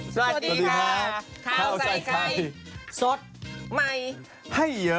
สวัสดีค่ะข้าวใส่ไข่สดใหม่ให้เยอะ